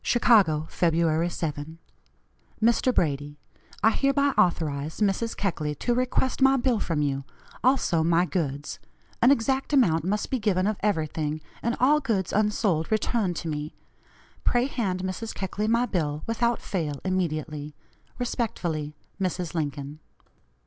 "CHICAGO, Feb. 7. "MR. BRADY: I hereby authorize Mrs. Keckley to request my bill from you; also my goods. An exact account must be given of everything, and all goods unsold returned to me. Pray hand Mrs. Keckley my bill, without fail, immediately. "Respectfully, "MRS. LINCOLN."